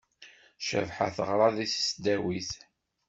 Cabḥa teɣra deg tesdawit.